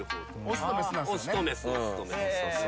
オスとメス。